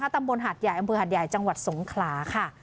ตำบลหาดใหญ่อำเภอหาดใหญ่จังหวัดสงขลาค่ะ